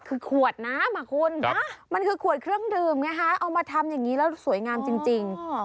คือขวดน้ำอ่ะคุณมันคือขวดเครื่องดื่มไงฮะเอามาทำอย่างนี้แล้วสวยงามจริง